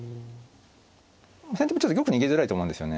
先手もちょっと玉逃げづらいと思うんですよね。